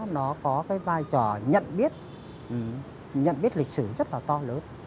nó có cái vai trò nhận biết nhận biết lịch sử rất là to lớn